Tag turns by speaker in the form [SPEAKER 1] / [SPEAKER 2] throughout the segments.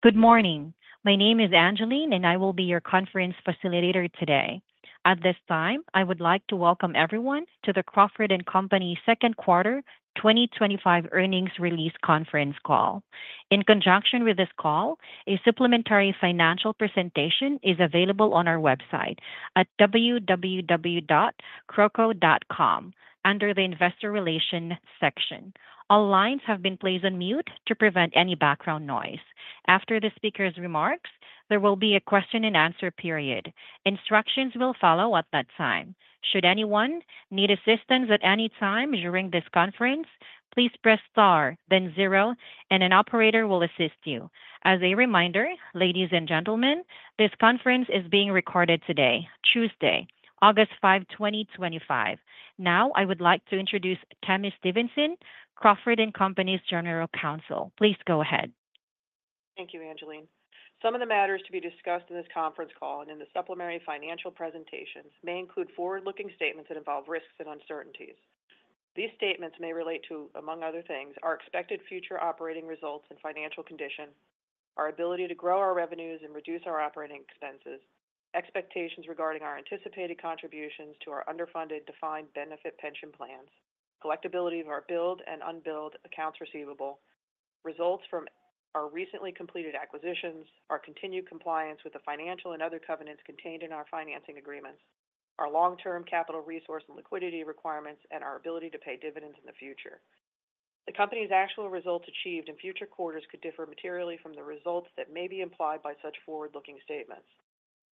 [SPEAKER 1] Good morning. My name is Angeline, and I will be your conference facilitator today. At this time, I would like to welcome everyone to the Crawford & Company Second Quarter 2025 Earnings Release Conference Call. In conjunction with this call, a supplementary financial presentation is available on our website at www.crawco.com under the Investor Relations section. All lines have been placed on mute to prevent any background noise. After the speaker's remarks, there will be a question and answer period. Instructions will follow at that time. Should anyone need assistance at any time during this conference, please press star, then zero, and an operator will assist you. As a reminder, ladies and gentlemen, this conference is being recorded today, Tuesday, August 5, 2025. Now, I would like to introduce Tami Stevenson, Crawford & Company's General Counsel. Please go ahead.
[SPEAKER 2] Thank you, Angeline. Some of the matters to be discussed in this conference call and in the supplementary financial presentations may include forward-looking statements that involve risks and uncertainties. These statements may relate to, among other things, our expected future operating results and financial condition, our ability to grow our revenues and reduce our operating expenses, expectations regarding our anticipated contributions to our underfunded defined benefit pension plans, collectibility of our billed and unbilled accounts receivable, results from our recently completed acquisitions, our continued compliance with the financial and other covenants contained in our financing agreements, our long-term capital resource and liquidity requirements, and our ability to pay dividends in the future. The company's actual results achieved in future quarters could differ materially from the results that may be implied by such forward-looking statements.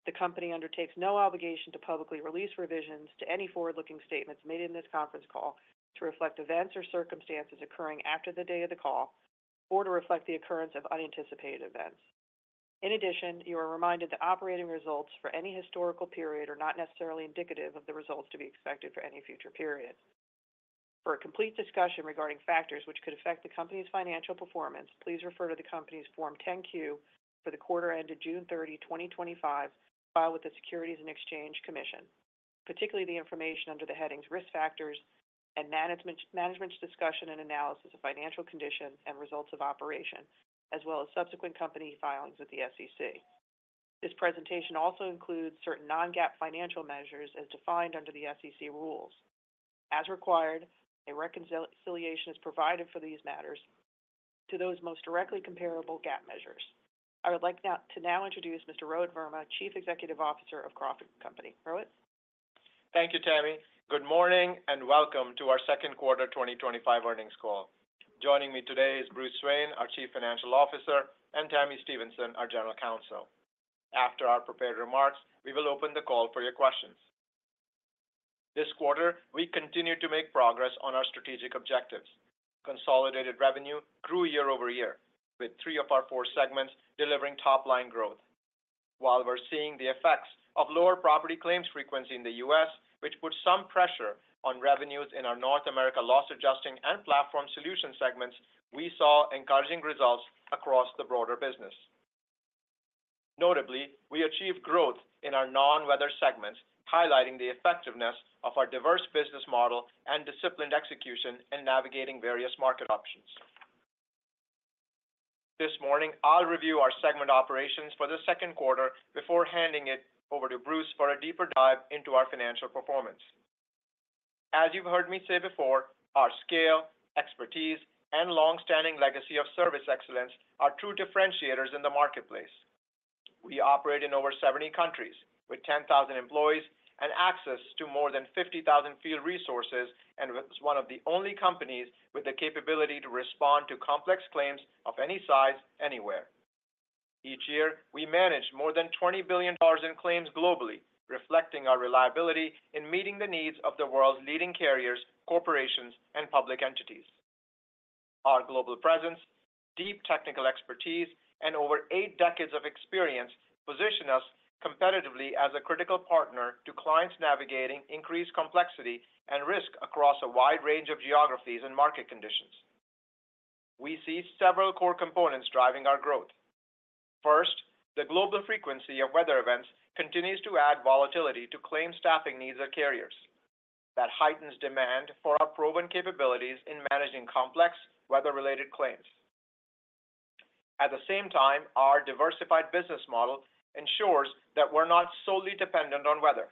[SPEAKER 2] The company undertakes no obligation to publicly release revisions to any forward-looking statements made in this conference call to reflect events or circumstances occurring after the day of the call or to reflect the occurrence of unanticipated events. In addition, you are reminded that operating results for any historical period are not necessarily indicative of the results to be expected for any future period. For a complete discussion regarding factors which could affect the company's financial performance, please refer to the company's Form 10-Q for the quarter ended June 30, 2025, filed with the Securities and Exchange Commission, particularly the information under the headings Risk Factors and Management's Discussion and Analysis of Financial Condition and Results of Operation, as well as subsequent company filings with the SEC. This presentation also includes certain non-GAAP financial measures as defined under the SEC rules. As required, a reconciliation is provided for these matters to those most directly comparable GAAP measures. I would like now to introduce Mr. Rohit Verma, Chief Executive Officer of Crawford & Company. Rohit?
[SPEAKER 3] Thank you, Tami. Good morning and welcome to our Second Quarter 2025 Earnings Call. Joining me today is Bruce Swain, our Chief Financial Officer, and Tami Stevenson, our General Counsel. After our prepared remarks, we will open the call for your questions. This quarter, we continue to make progress on our strategic objectives. Consolidated revenue grew year over year, with three of our four segments delivering top-line growth. While we're seeing the effects of lower property claims frequency in the U.S., which puts some pressure on revenues in our North America loss adjusting and platform solution segments, we saw encouraging results across the broader business. Notably, we achieved growth in our non-weather segments, highlighting the effectiveness of our diverse business model and disciplined execution in navigating various market options. This morning, I'll review our segment operations for the second quarter before handing it over to Bruce for a deeper dive into our financial performance. As you've heard me say before, our scale, expertise, and longstanding legacy of service excellence are true differentiators in the marketplace. We operate in over 70 countries, with 10,000 employees and access to more than 50,000 field resources, and one of the only companies with the capability to respond to complex claims of any size, anywhere. Each year, we manage more than $20 billion in claims globally, reflecting our reliability in meeting the needs of the world's leading carriers, corporations, and public entities. Our global presence, deep technical expertise, and over eight decades of experience position us competitively as a critical partner to clients navigating increased complexity and risk across a wide range of geographies and market conditions. We see several core components driving our growth. First, the global frequency of weather events continues to add volatility to claims staffing needs of carriers. That heightens demand for our proven capabilities in managing complex weather-related claims. At the same time, our diversified business model ensures that we're not solely dependent on weather.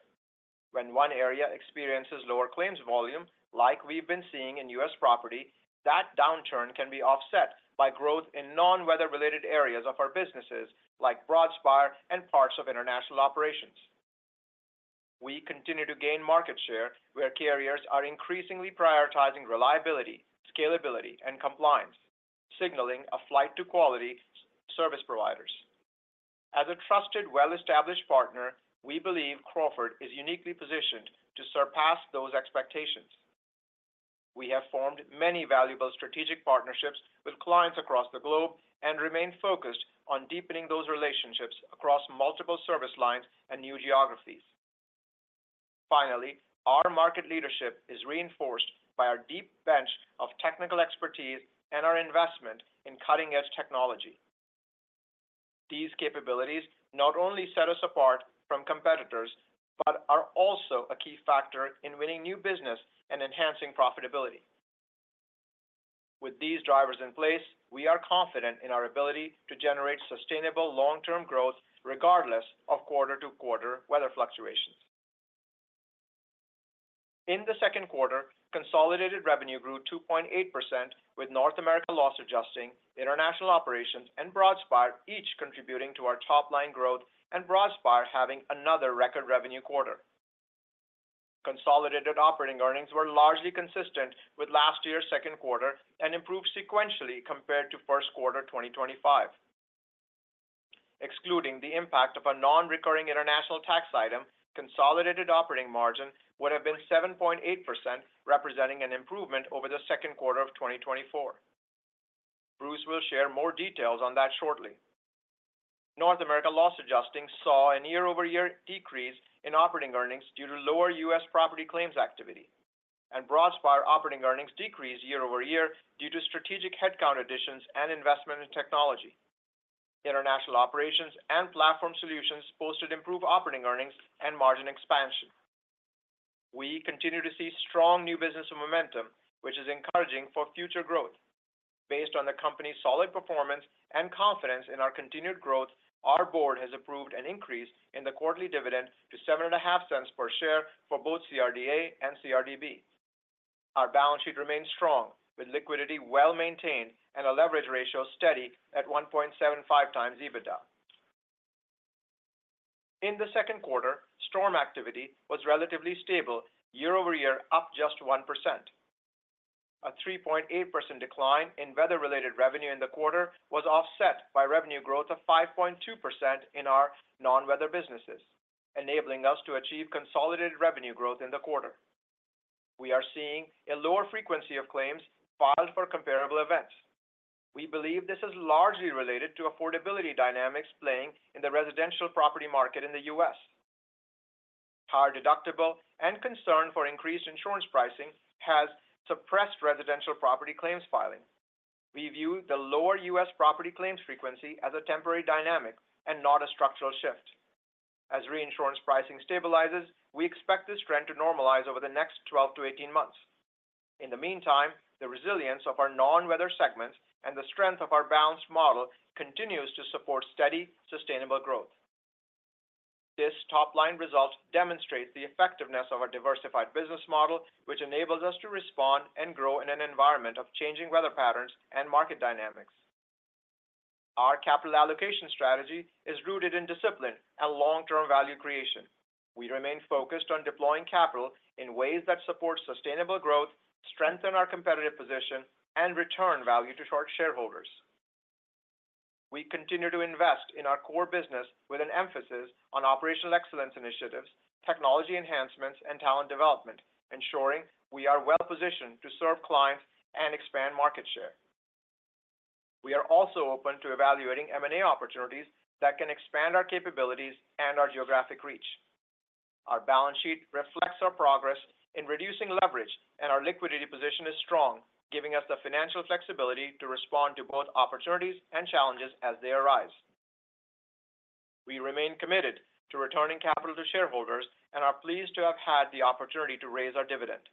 [SPEAKER 3] When one area experiences lower claims volume, like we've been seeing in U.S. property, that downturn can be offset by growth in non-weather-related areas of our businesses, like Broadspire and parts of international operations. We continue to gain market share where carriers are increasingly prioritizing reliability, scalability, and compliance, signaling a flight to quality service providers. As a trusted, well-established partner, we believe Crawford & Company is uniquely positioned to surpass those expectations. We have formed many valuable strategic partnerships with clients across the globe and remain focused on deepening those relationships across multiple service lines and new geographies. Finally, our market leadership is reinforced by our deep bench of technical expertise and our investment in cutting-edge technology. These capabilities not only set us apart from competitors, but are also a key factor in winning new business and enhancing profitability. With these drivers in place, we are confident in our ability to generate sustainable long-term growth regardless of quarter-to-quarter weather fluctuations. In the second quarter, consolidated revenue grew 2.8%, with North America loss adjusting, international operations, and Broadspire each contributing to our top-line growth and Broadspire having another record revenue quarter. Consolidated operating earnings were largely consistent with last year's second quarter and improved sequentially compared to first quarter 2025. Excluding the impact of a non-recurring international tax item, consolidated operating margin would have been 7.8%, representing an improvement over the second quarter of 2024. Bruce Swain will share more details on that shortly. North America loss adjusting saw a year-over-year decrease in operating earnings due to lower U.S. property claims activity, and Broadspire operating earnings decreased year over year due to strategic headcount additions and investment in technology. International operations and platform solutions posted improved operating earnings and margin expansion. We continue to see strong new business momentum, which is encouraging for future growth. Based on the company's solid performance and confidence in our continued growth, our board has approved an increase in the quarterly dividend to $0.075 per share for both CRDA and CRDB. Our balance sheet remains strong, with liquidity well maintained and a leverage ratio steady at 1.75x EBITDA. In the second quarter, storm activity was relatively stable, year over year up just 1%. A 3.8% decline in weather-related revenue in the quarter was offset by revenue growth of 5.2% in our non-weather businesses, enabling us to achieve consolidated revenue growth in the quarter. We are seeing a lower frequency of claims filed for comparable events. We believe this is largely related to affordability dynamics playing in the residential property market in the U.S. Higher deductible and concern for increased insurance pricing has suppressed residential property claims filing. We view the lower U.S. property claims frequency as a temporary dynamic and not a structural shift. As reinsurance pricing stabilizes, we expect this trend to normalize over the next 12-18 months. In the meantime, the resilience of our non-weather segments and the strength of our balanced model continue to support steady, sustainable growth. This top-line result demonstrates the effectiveness of our diversified business model, which enables us to respond and grow in an environment of changing weather patterns and market dynamics. Our capital allocation strategy is rooted in discipline and long-term value creation. We remain focused on deploying capital in ways that support sustainable growth, strengthen our competitive position, and return value to shareholders. We continue to invest in our core business with an emphasis on operational excellence initiatives, technology enhancements, and talent development, ensuring we are well positioned to serve clients and expand market share. We are also open to evaluating M&A opportunities that can expand our capabilities and our geographic reach. Our balance sheet reflects our progress in reducing leverage, and our liquidity position is strong, giving us the financial flexibility to respond to both opportunities and challenges as they arise. We remain committed to returning capital to shareholders and are pleased to have had the opportunity to raise our dividend.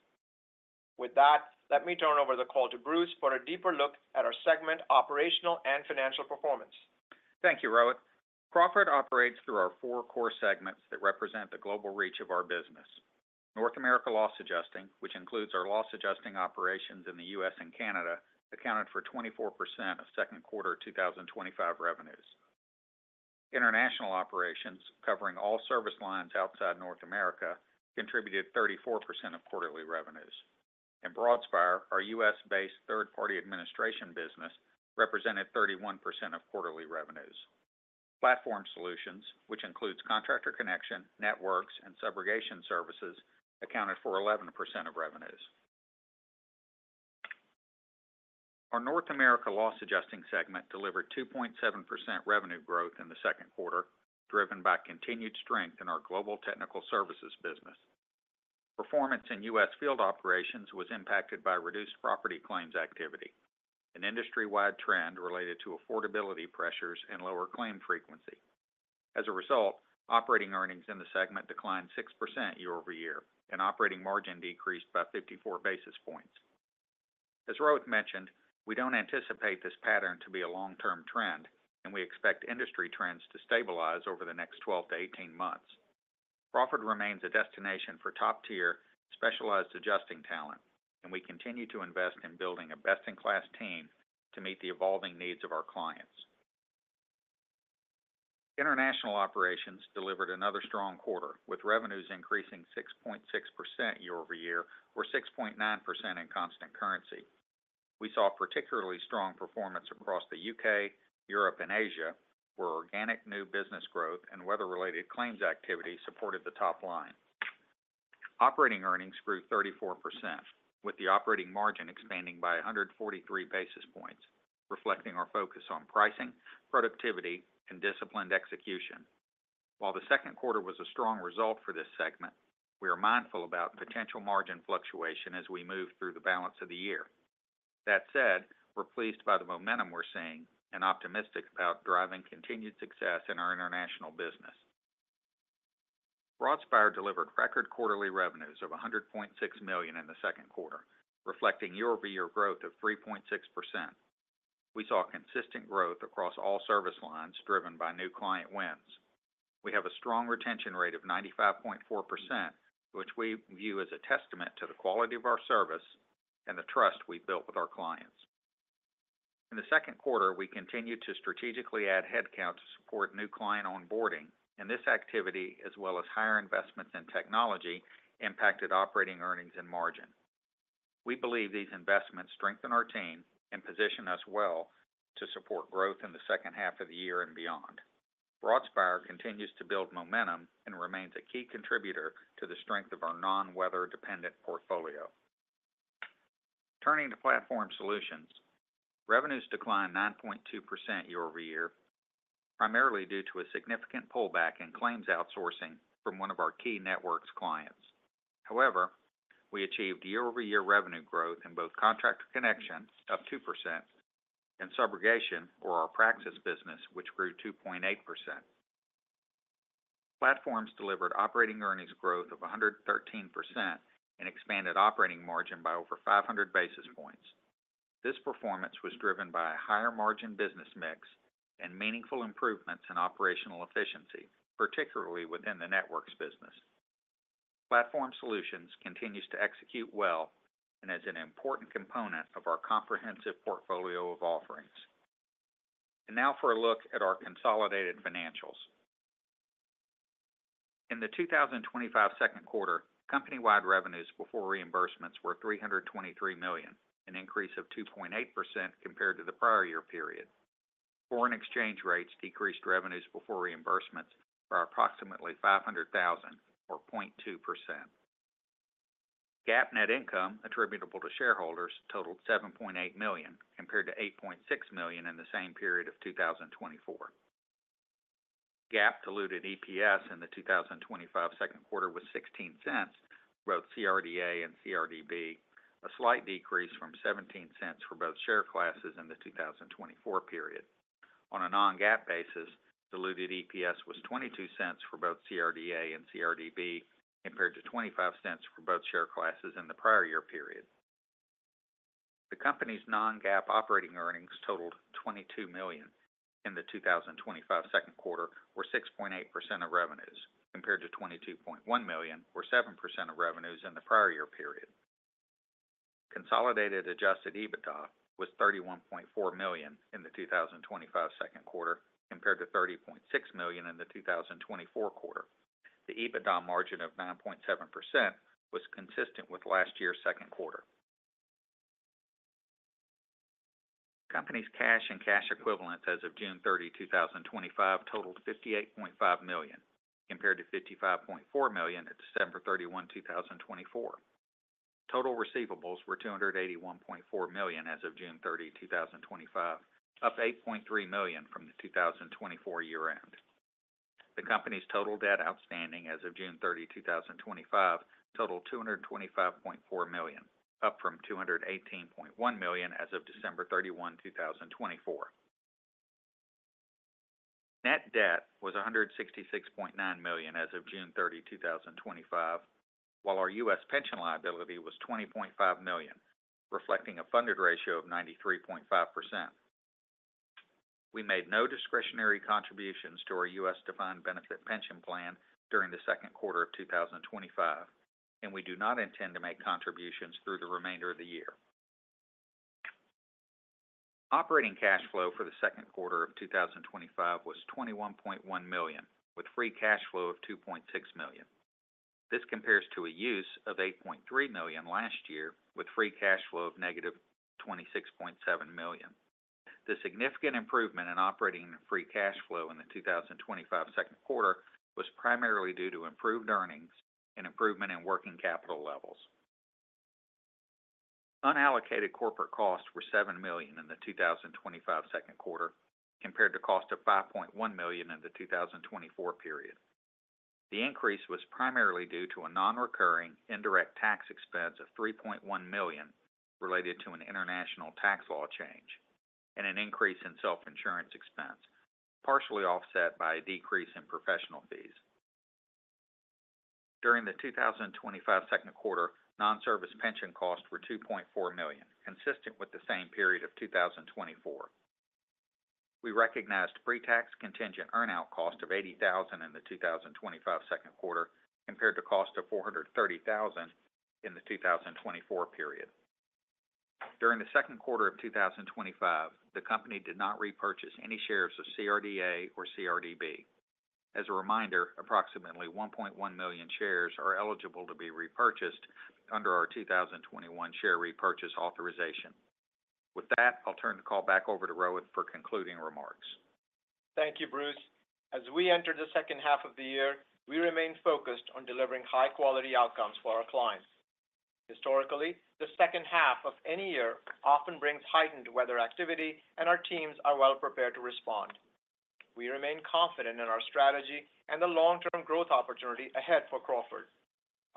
[SPEAKER 3] With that, let me turn over the call to Bruce for a deeper look at our segment operational and financial performance.
[SPEAKER 4] Thank you, Rohit. Crawford & Company operates through our four core segments that represent the global reach of our business. North America loss adjusting, which includes our loss adjusting operations in the U.S. and Canada, accounted for 24% of second quarter 2025 revenues. International operations, covering all service lines outside North America, contributed 34% of quarterly revenues. In Broadspire, our U.S.-based third-party administration business represented 31% of quarterly revenues. Platform solutions, which includes Contractor Connection, networks, and subrogation services, accounted for 11% of revenues. Our North America loss adjusting segment delivered 2.7% revenue growth in the second quarter, driven by continued strength in our global technical services business. Performance in U.S. field operations was impacted by reduced property claims activity, an industry-wide trend related to affordability pressures and lower claim frequency. As a result, operating earnings in the segment declined 6% year-over-year, and operating margin decreased by 54 basis points. As Rohit mentioned, we don't anticipate this pattern to be a long-term trend, and we expect industry trends to stabilize over the next 12-18 months. Crawford & Company remains a destination for top-tier, specialized adjusting talent, and we continue to invest in building a best-in-class team to meet the evolving needs of our clients. International operations delivered another strong quarter, with revenues increasing 6.6% year-over-year, or 6.9% in constant currency. We saw particularly strong performance across the U.K., Europe, and Asia, where organic new business growth and weather-related claims activity supported the top line. Operating earnings grew 34%, with the operating margin expanding by 143 basis points, reflecting our focus on pricing, productivity, and disciplined execution. While the second quarter was a strong result for this segment, we are mindful about potential margin fluctuation as we move through the balance of the year. That said, we're pleased by the momentum we're seeing and optimistic about driving continued success in our international business. Broadspire delivered record quarterly revenues of $100.6 million in the second quarter, reflecting year-over-year growth of 3.6%. We saw consistent growth across all service lines, driven by new client wins. We have a strong retention rate of 95.4%, which we view as a testament to the quality of our service and the trust we've built with our clients. In the second quarter, we continued to strategically add headcount to support new client onboarding, and this activity, as well as higher investments in technology, impacted operating earnings and margin. We believe these investments strengthen our team and position us well to support growth in the second half of the year and beyond. Broadspire continues to build momentum and remains a key contributor to the strength of our non-weather dependent portfolio. Turning to platform solutions, revenues declined 9.2% year-over-year, primarily due to a significant pullback in claims outsourcing from one of our key networks clients. However, we achieved year-over-year revenue growth in both contractor connection, up 2%, and subrogation, or our practice business, which grew 2.8%. Platforms delivered operating earnings growth of 113% and expanded operating margin by over 500 basis points. This performance was driven by a higher margin business mix and meaningful improvements in operational efficiency, particularly within the networks business. Platform solutions continues to execute well and is an important component of our comprehensive portfolio of offerings. Now for a look at our consolidated financials. In the 2025 second quarter, company-wide revenues before reimbursements were $323 million, an increase of 2.8% compared to the prior year period. Foreign exchange rates decreased revenues before reimbursements by approximately $500,000, or 0.2%. GAAP net income attributable to shareholders totaled $7.8 million compared to $8.6 million in the same period of 2024. GAAP diluted EPS in the 2025 second quarter was $0.16 for both CRDA and CRDB, a slight decrease from $0.17 for both share classes in the 2024 period. On a non-GAAP basis, diluted EPS was $0.22 for both CRDA and CRDB compared to $0.25 for both share classes in the prior year period. The company's non-GAAP operating earnings totaled $22 million in the 2025 second quarter, or 6.8% of revenues, compared to $22.1 million, or 7% of revenues in the prior year period. Consolidated adjusted EBITDA was $31.4 million in the 2025 second quarter, compared to $30.6 million in the 2024 quarter. The EBITDA margin of 9.7% was consistent with last year's second quarter. The company's cash and cash equivalents as of June 30, 2025, totaled $58.5 million, compared to $55.4 million at December 31, 2024. Total receivables were $281.4 million as of June 30, 2025, up $8.3 million from the 2024 year-end. The company's total debt outstanding as of June 30, 2025, totaled $225.4 million, up from $218.1 million as of December 31, 2024. Net debt was $166.9 million as of June 30, 2025, while our U.S. pension liability was $20.5 million, reflecting a funded ratio of 93.5%. We made no discretionary contributions to our U.S. defined benefit pension plan during the second quarter of 2025, and we do not intend to make contributions through the remainder of the year. Operating cash flow for the second quarter of 2025 was $21.1 million, with free cash flow of $2.6 million. This compares to a use of $8.3 million last year, with free cash flow of negative $26.7 million. The significant improvement in operating free cash flow in the 2025 second quarter was primarily due to improved earnings and improvement in working capital levels. Unallocated corporate costs were $7 million in the 2025 second quarter, compared to a cost of $5.1 million in the 2024 period. The increase was primarily due to a non-recurring indirect tax expense of $3.1 million related to an international tax law change and an increase in self-insurance expense, partially offset by a decrease in professional fees. During the 2025 second quarter, non-service pension costs were $2.4 million, consistent with the same period of 2024. We recognized pre-tax contingent earnout cost of $80,000 in the 2025 second quarter, compared to a cost of $430,000 in the 2024 period. During the second quarter of 2025, the company did not repurchase any shares of CRDA or CRDB. As a reminder, approximately 1.1 million shares are eligible to be repurchased under our 2021 share repurchase authorization. With that, I'll turn the call back over to Rohit for concluding remarks.
[SPEAKER 3] Thank you, Bruce. As we enter the second half of the year, we remain focused on delivering high-quality outcomes for our clients. Historically, the second half of any year often brings heightened weather activity, and our teams are well prepared to respond. We remain confident in our strategy and the long-term growth opportunity ahead for Crawford & Company.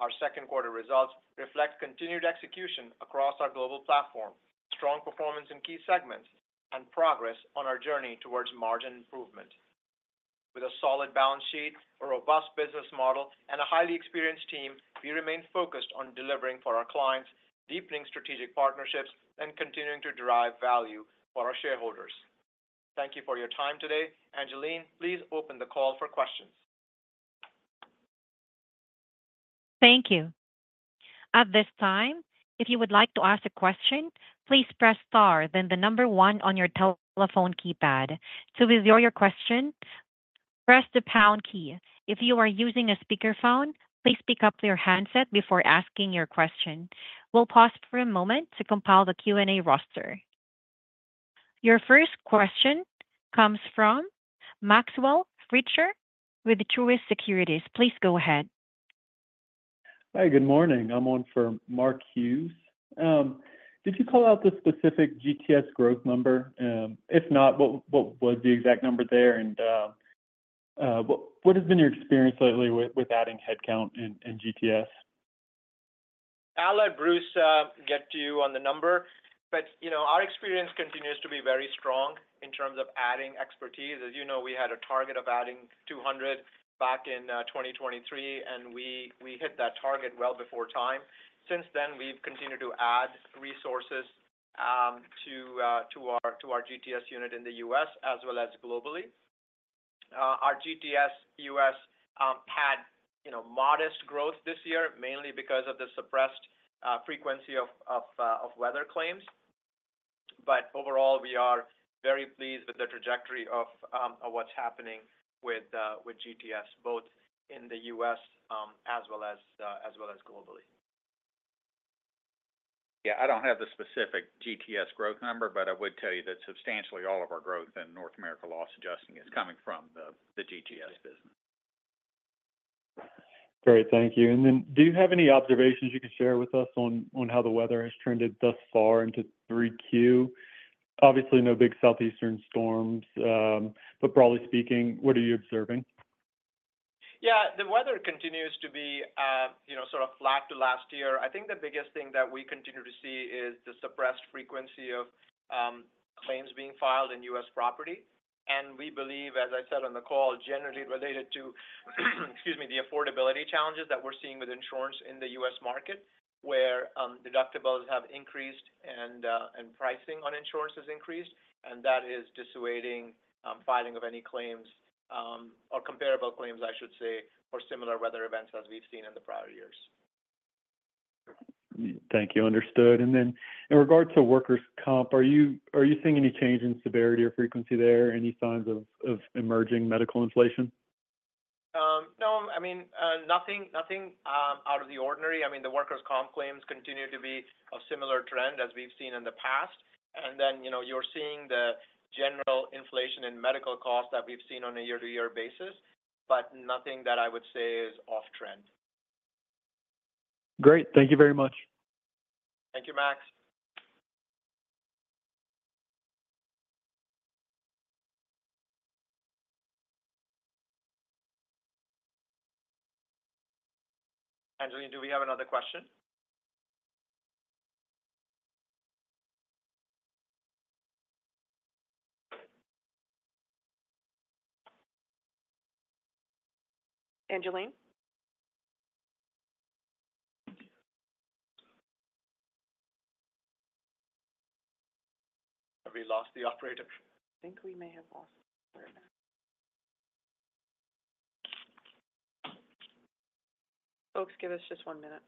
[SPEAKER 3] Our second quarter results reflect continued execution across our global platform, strong performance in key segments, and progress on our journey towards margin improvement. With a solid balance sheet, a robust business model, and a highly experienced team, we remain focused on delivering for our clients, deepening strategic partnerships, and continuing to drive value for our shareholders. Thank you for your time today. Angeline, please open the call for questions.
[SPEAKER 1] Thank you. At this time, if you would like to ask a question, please press star then the number one on your telephone keypad. To reserve your question, press the pound key. If you are using a speakerphone, please speak up to your handset before asking your question. We'll pause for a moment to compile the Q&A roster. Your first question comes from Maxwell Fritscher with Truist Securities. Please go ahead.
[SPEAKER 5] Hi, good morning. I'm on for Mark Hughes. Did you call out the specific GTS growth number? If not, what was the exact number there? What has been your experience lately with adding headcount and GTS?
[SPEAKER 3] I'll let Bruce get to you on the number. You know our experience continues to be very strong in terms of adding expertise. As you know, we had a target of adding 200 back in 2023, and we hit that target well before time. Since then, we've continued to add resources to our GTS unit in the U.S., as well as globally. Our GTS U.S. had modest growth this year, mainly because of the suppressed frequency of weather claims. Overall, we are very pleased with the trajectory of what's happening with GTS, both in the U.S., as well as globally.
[SPEAKER 4] I don't have the specific GTS growth number, but I would tell you that substantially all of our growth in North America loss adjusting is coming from the GTS business.
[SPEAKER 5] Great, thank you. Do you have any observations you could share with us on how the weather has trended thus far into 3Q? Obviously, no big southeastern storms, but broadly speaking, what are you observing?
[SPEAKER 3] Yeah, the weather continues to be sort of flat to last year. I think the biggest thing that we continue to see is the suppressed frequency of claims being filed in U.S. property. We believe, as I said on the call, generally related to, excuse me, the affordability challenges that we're seeing with insurance in the U.S. market, where deductibles have increased and pricing on insurance has increased. That is dissuading filing of any claims or comparable claims, I should say, for similar weather events as we've seen in the prior years.
[SPEAKER 5] Thank you. Understood. In regards to workers' comp, are you seeing any change in severity or frequency there? Any signs of emerging medical inflation?
[SPEAKER 3] No, nothing out of the ordinary. The workers' comp claims continue to be of similar trend as we've seen in the past. You're seeing the general inflation in medical costs that we've seen on a year-to-year basis, but nothing that I would say is off-trend.
[SPEAKER 5] Great. Thank you very much.
[SPEAKER 3] Thank you, Max. Angeline, do we have another question?
[SPEAKER 2] Angeline?
[SPEAKER 3] Have we lost the operator?
[SPEAKER 2] I think we may have lost folks. Give us just one minute.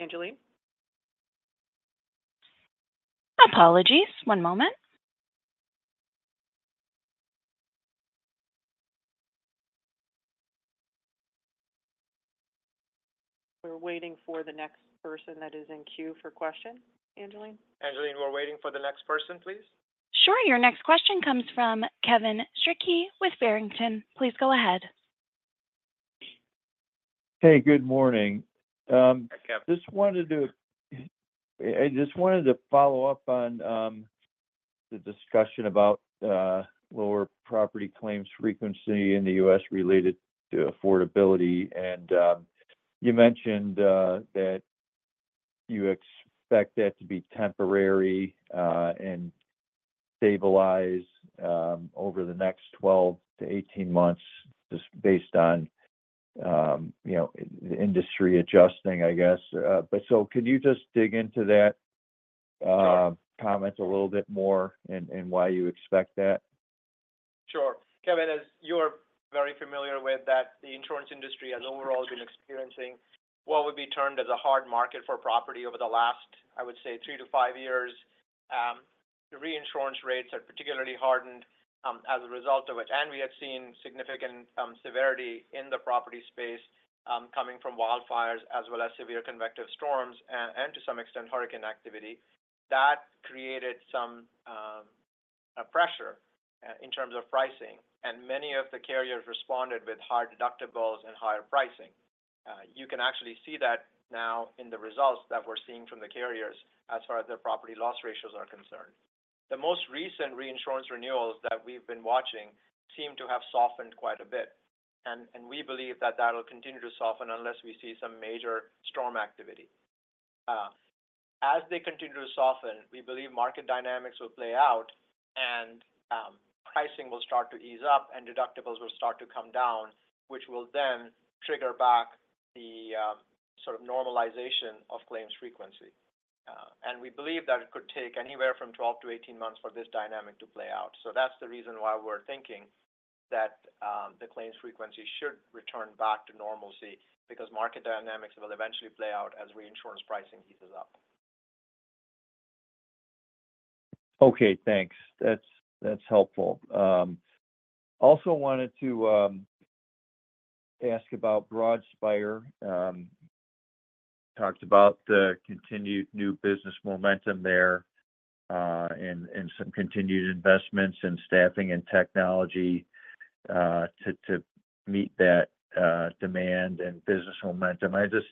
[SPEAKER 2] Angeline?
[SPEAKER 1] Apologies. One moment.
[SPEAKER 2] We're waiting for the next person that is in queue for questions. Angeline?
[SPEAKER 3] Angeline, we're waiting for the next person, please.
[SPEAKER 1] Sure. Your next question comes from Kevin Steinke with Barrington Research. Please go ahead.
[SPEAKER 6] Hey, good morning.
[SPEAKER 3] Hi, Kevin.
[SPEAKER 6] I just wanted to follow up on the discussion about lower property claims frequency in the U.S. related to affordability. You mentioned that you expect that to be temporary and stabilize over the next 12 to 18 months just based on the industry adjusting, I guess. Can you just dig into that comment a little bit more and why you expect that?
[SPEAKER 3] Sure. Kevin, as you're very familiar with, the insurance industry has overall been experiencing what would be termed as a hard market for property over the last, I would say, three to five years. The reinsurance rates are particularly hardened as a result of it. We have seen significant severity in the property space coming from wildfires as well as severe convective storms and, to some extent, hurricane activity. That created some pressure in terms of pricing, and many of the carriers responded with higher deductibles and higher pricing. You can actually see that now in the results that we're seeing from the carriers as far as their property loss ratios are concerned. The most recent reinsurance renewals that we've been watching seem to have softened quite a bit. We believe that will continue to soften unless we see some major storm activity. As they continue to soften, we believe market dynamics will play out and pricing will start to ease up and deductibles will start to come down, which will then trigger back the sort of normalization of claims frequency. We believe that it could take anywhere from 12-18 months for this dynamic to play out. That's the reason why we're thinking that the claims frequency should return back to normalcy because market dynamics will eventually play out as reinsurance pricing heats up.
[SPEAKER 6] Okay, thanks. That's helpful. I also wanted to ask about Broadspire. Talked about the continued new business momentum there and some continued investments in staffing and technology to meet that demand and business momentum. I'm just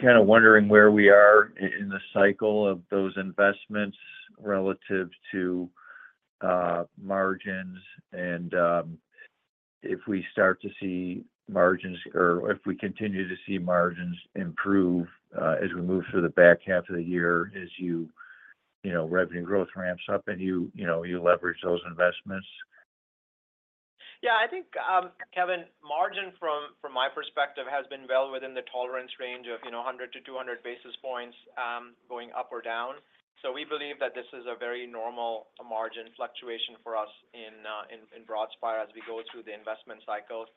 [SPEAKER 6] kind of wondering where we are in the cycle of those investments relative to margins and if we start to see margins or if we continue to see margins improve as we move through the back half of the year as you, you know, revenue growth ramps up and you, you know, you leverage those investments.
[SPEAKER 3] Yeah, I think, Kevin, margin from my perspective has been well within the tolerance range of 100-200 basis points going up or down. We believe that this is a very normal margin fluctuation for us in Broadspire as we go through the investment cycles.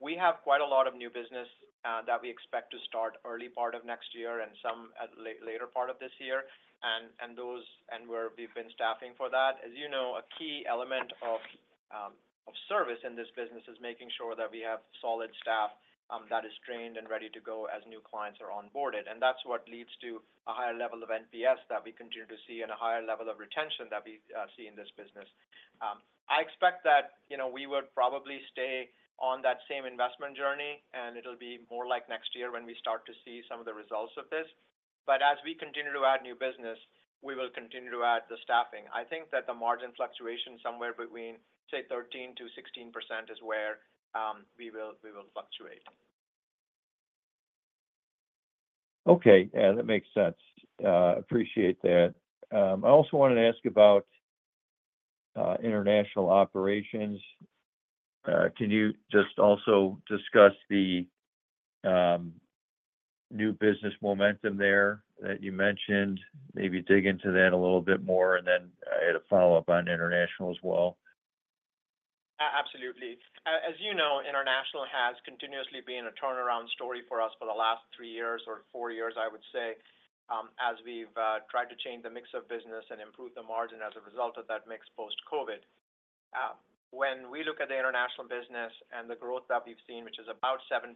[SPEAKER 3] We have quite a lot of new business that we expect to start early part of next year and some at the later part of this year. We've been staffing for that. As you know, a key element of service in this business is making sure that we have solid staff that is trained and ready to go as new clients are onboarded. That's what leads to a higher level of NPS that we continue to see and a higher level of retention that we see in this business. I expect that we would probably stay on that same investment journey, and it'll be more like next year when we start to see some of the results of this. As we continue to add new business, we will continue to add the staffing. I think that the margin fluctuation somewhere between, say, 13%-16% is where we will fluctuate.
[SPEAKER 6] Okay. Yeah, that makes sense. Appreciate that. I also wanted to ask about international operations. Can you just also discuss the new business momentum there that you mentioned? Maybe dig into that a little bit more, and then I had a follow-up on international as well.
[SPEAKER 3] Absolutely. As you know, international has continuously been a turnaround story for us for the last three years or four years, I would say, as we've tried to change the mix of business and improve the margin as a result of that mix post-COVID. When we look at the international business and the growth that we've seen, which is about 7%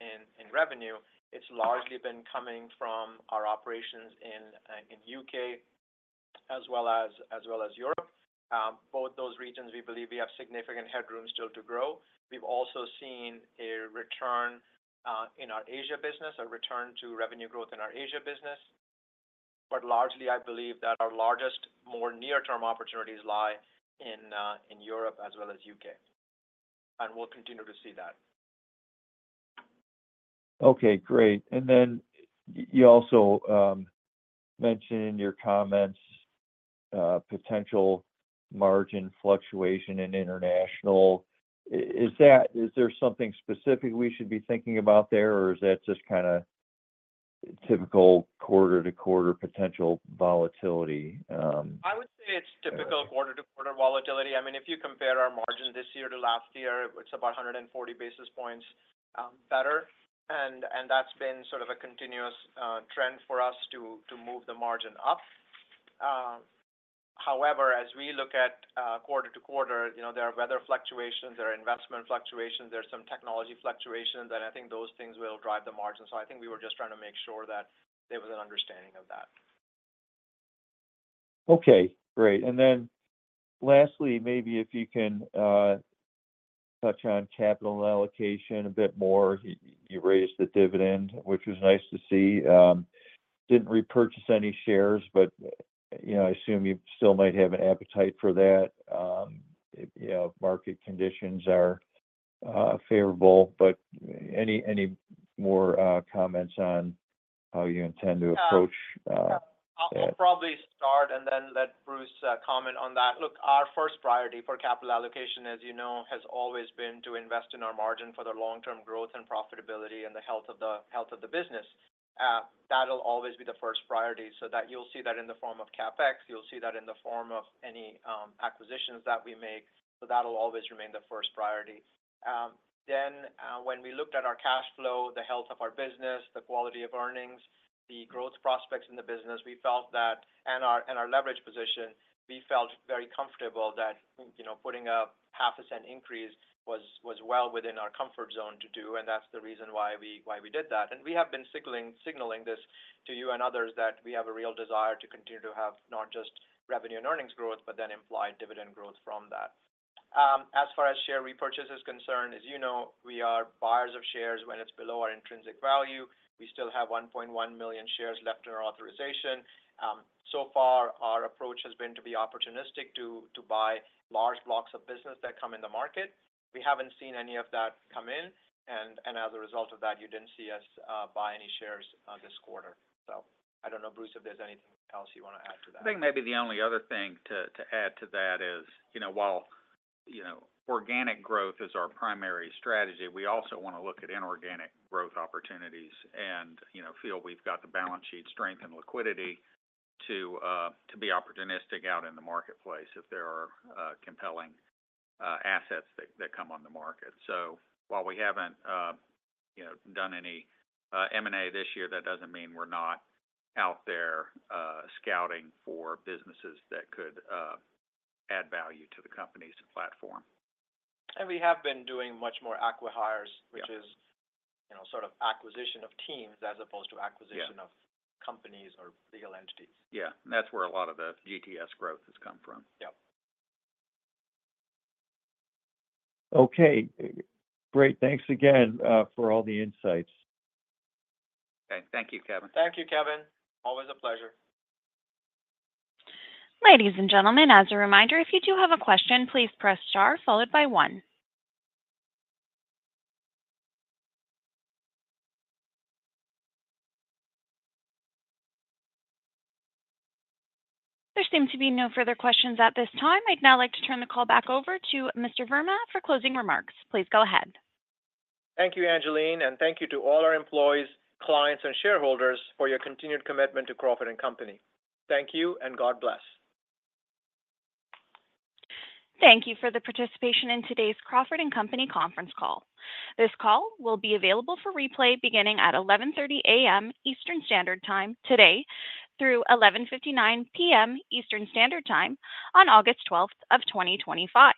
[SPEAKER 3] in revenue, it's largely been coming from our operations in the U.K., as well as Europe. Both those regions, we believe we have significant headroom still to grow. We've also seen a return in our Asia business, a return to revenue growth in our Asia business. Largely, I believe that our largest, more near-term opportunities lie in Europe as well as the U.K., and we'll continue to see that.
[SPEAKER 6] Okay, great. And then you also mentioned in your comments potential margin fluctuation in international. Is there something specific we should be thinking about there, or is that just kind of typical quarter-to-quarter potential volatility?
[SPEAKER 3] I would say it's typical quarter-to-quarter volatility. If you compare our margin this year to last year, it's about 140 basis points better. That's been sort of a continuous trend for us to move the margin up. However, as we look at quarter-to-quarter, there are weather fluctuations, there are investment fluctuations, there's some technology fluctuations, and I think those things will drive the margin. I think we were just trying to make sure that there was an understanding of that.
[SPEAKER 6] Okay, great. Lastly, maybe if you can touch on capital allocation a bit more. You raised the dividend, which was nice to see. Didn't repurchase any shares, but I assume you still might have an appetite for that. Market conditions are favorable, but any more comments on how you intend to approach?
[SPEAKER 3] Yeah, I'll probably start and then let Bruce comment on that. Look, our first priority for capital allocation, as you know, has always been to invest in our margin for the long-term growth and profitability and the health of the business. That'll always be the first priority. You'll see that in the form of CapEx. You'll see that in the form of any acquisitions that we make. That'll always remain the first priority. Then when we looked at our cash flow, the health of our business, the quality of earnings, the growth prospects in the business, and our leverage position, we felt very comfortable that putting a $0.005 increase was well within our comfort zone to do, and that's the reason why we did that. And we have been signaling this to you and others that we have a real desire to continue to have not just revenue and earnings growth, but then implied dividend growth from that. As far as share repurchase is concerned, as you know, we are buyers of shares when it's below our intrinsic value. We still have 1.1 million shares left to our authorization. So far, our approach has been to be opportunistic to buy large blocks of business that come in the market. We haven't seen any of that come in, and as a result of that, you didn't see us buy any shares this quarter. I don't know, Bruce, if there's anything else you want to add to that.
[SPEAKER 4] I think maybe the only other thing to add to that is, while organic growth is our primary strategy, we also want to look at inorganic growth opportunities and feel we've got the balance sheet strength and liquidity to be opportunistic out in the marketplace if there are compelling assets that come on the market. While we haven't done any M&A this year, that doesn't mean we're not out there scouting for businesses that could add value to the companies and platform.
[SPEAKER 3] And we have been doing much more acquihires, which is, you know, sort of acquisition of teams as opposed to acquisition of companies or legal entities.
[SPEAKER 4] Yeah, that's where a lot of the GTS growth has come from.
[SPEAKER 3] Yeah.
[SPEAKER 6] Okay, great. Thanks again for all the insights.
[SPEAKER 4] Okay, thank you, Kevin.
[SPEAKER 3] Thank you, Kevin. Always a pleasure.
[SPEAKER 1] Ladies and gentlemen, as a reminder, if you do have a question, please press star followed by one. There seem to be no further questions at this time. I'd now like to turn the call back over to Mr. Verma for closing remarks. Please go ahead.
[SPEAKER 3] Thank you, Angeline, and thank you to all our employees, clients, and shareholders for your continued commitment to Crawford & Company. Thank you and God bless.
[SPEAKER 1] Thank you for the participation in today's Crawford & Company conference call. This call will be available for replay beginning at 11:30 A.M. Eastern Standard Time today through 11:59 P.M. Eastern Standard Time on August 12, 2025.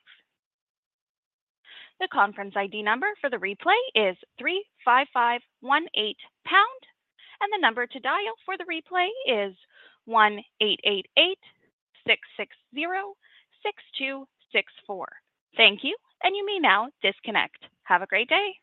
[SPEAKER 1] The conference ID number for the replay is 35518 POUND, and the number to dial for the replay is 1-888-660-6264. Thank you, and you may now disconnect. Have a great day.